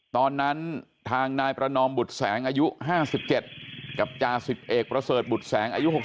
ตอนนั้นทางนายประนอมบุตรแสงอายุ๕๗กับจาสิบเอกประเสริฐบุตรแสงอายุ๖๒